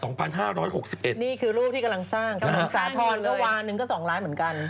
นี่คือรูปที่กำลังสร้างถนนสาธรณ์ก็วันหนึ่งก็๒ล้านเหมือนกัน